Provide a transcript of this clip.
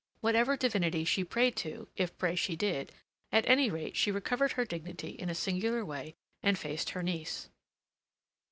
Whatever divinity she prayed to, if pray she did, at any rate she recovered her dignity in a singular way and faced her niece.